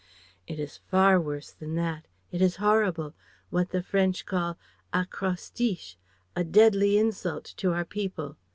"It is far worse than that! It is a horrible what the French call 'acrostiche,' a deadly insult to our people.